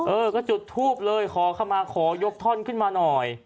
เออก็จุดทูบเลยขอเข้ามาขอยกท่อนขึ้นมาหน่อย